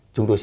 chúng tôi sẽ